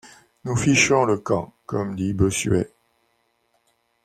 Nous fichons le camp, comme dit Bossuet.